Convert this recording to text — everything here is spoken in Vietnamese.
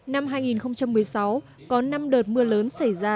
năm hai nghìn một mươi sáu có năm đợt mưa lớn xảy ra